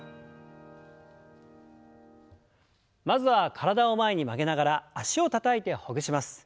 まずは体を前に曲げながら脚をたたいてほぐします。